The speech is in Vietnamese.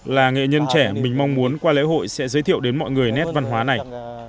là nghệ nhân trẻ mình mong muốn qua lễ hội sẽ giới thiệu đến mọi người nét văn hóa này